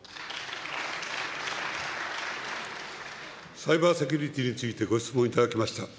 サイバーセキュリティーについてご質問いただきました。